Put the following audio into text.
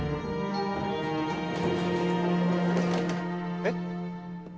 えっ？